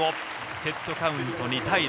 セットカウント２対０。